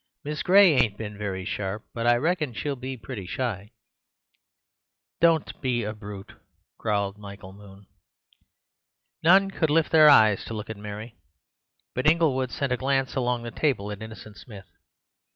Miss Gray ain't been very sharp, but I reckon she'll be pretty shy." "Don't be a brute," growled Michael Moon. None could lift their eyes to look at Mary; but Inglewood sent a glance along the table at Innocent Smith.